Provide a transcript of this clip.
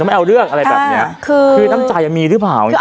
จะไม่เอาเลือกอะไรแบบนี้คือน้ำใจมันยังมีหรือเปล่า